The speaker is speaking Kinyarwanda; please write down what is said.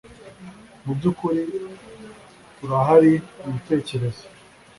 Mubyukuri urahariibitekerezo